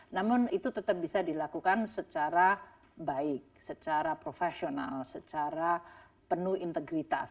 namun itu tetap bisa dilakukan secara baik secara profesional secara penuh integritas